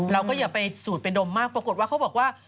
อย่าไปสูดไปดมมากปรากฏว่าเขาบอกว่า